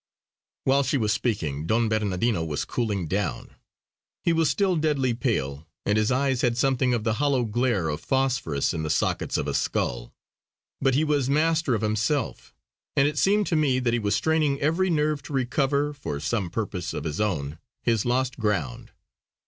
Whilst she was speaking Don Bernardino was cooling down. He was still deadly pale, and his eyes had something of the hollow glare of phosphorus in the sockets of a skull. But he was master of himself; and it seemed to me that he was straining every nerve to recover, for some purpose of his own, his lost ground.